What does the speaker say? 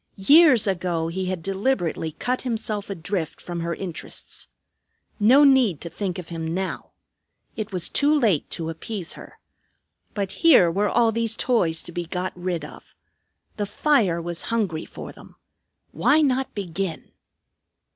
Years ago he had deliberately cut himself adrift from her interests. No need to think of him now. It was too late to appease her. But here were all these toys to be got rid of. The fire was hungry for them. Why not begin?